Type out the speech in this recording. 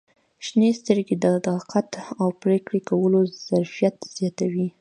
• شنې سترګې د دقت او پرېکړې کولو ظرفیت زیاتوي.